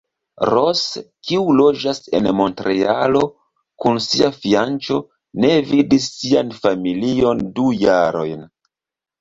Rose, kiu loĝas en Montrealo kun sia fianĉo, ne vidis sian familion du jarojn.